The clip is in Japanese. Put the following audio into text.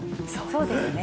そうですね。